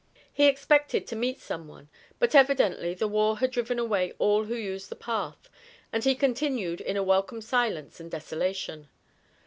He expected to meet some one, but evidently the war had driven away all who used the path, and he continued in a welcome silence and desolation.